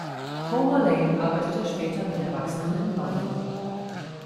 Homer Lane arbeitete später mit Erwachsenen in London.